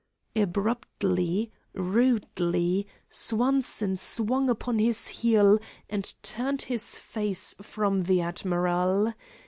Abruptly, rudely, Swanson swung upon his heel and turned his face from the admiral.